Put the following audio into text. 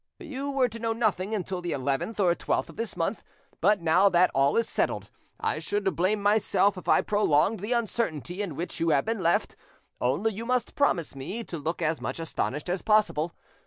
You were to know nothing until the 11th or 12th of this month, but now that all is settled, I should blame myself if I prolonged the uncertainty in which you have been left, only you must promise me to look as much astonished as possible.